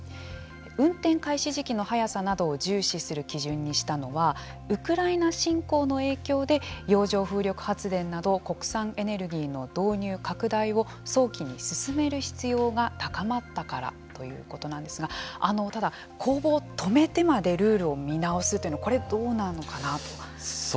運転開始時期の速さなどを重視する基準にしたのはウクライナ侵攻の影響で洋上風力発電など国産エネルギーの導入拡大を早期に進める必要が高まったからということなんですがただ、公募を止めてまでルールを見直すというのこれ、どうなのかなと。